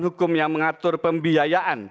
dan hukum yang mengatur pembiayaan